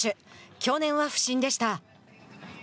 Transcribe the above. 去年は不振でした。